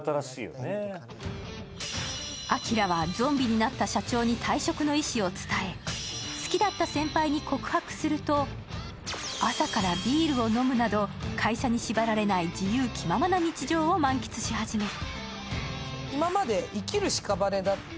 輝はゾンビになった社長に退職の意思を伝え好きだった先輩に告白すると、朝からビールを飲むなど、会社に縛られない自由気ままな日常を満喫し始める。